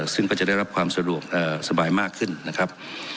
ซึ่งก็จะได้รับความสะดวกสบายมากขึ้นนะครับ